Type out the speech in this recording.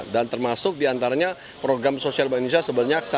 dan termasuk diantaranya program sosial bank indonesia sebanyak satu satu miliar